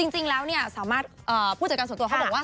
จริงแล้วผู้จัดการส่วนตัวเขาบอกว่า